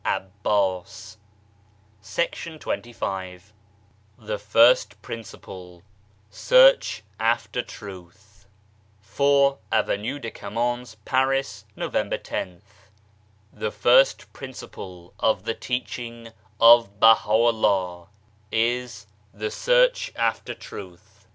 SEARCH AFTER TRUTH 125 THE FIRST PRINCIPLE SEARCH AFTER TRUTH 4, Avenue de Camoens, Paris. November loth. first Principle of the Teaching of Baha'u'llah is: The Search after Truth.